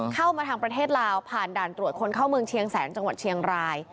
เข้ามาทางประเทศลาวผ่านด่านตรวจคนเข้าเมืองเชียงแสนจังหวัดเชียงราย